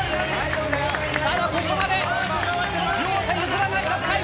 ただ、ここまで両者譲らない戦い。